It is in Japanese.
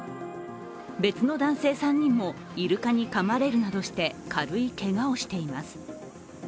別の男性３人もイルカにかまれるなどして軽いけがをしています。